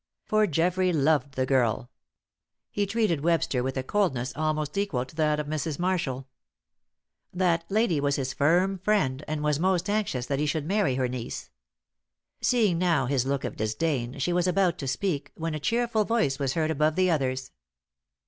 For Geoffrey loved the girl. He treated Webster with a coldness almost equal to that of Mrs. Marshall. That lady was his firm friend, and was most anxious that he should marry her niece. Seeing now his look of disdain, she was about to speak, when a cheerful voice was heard above the others.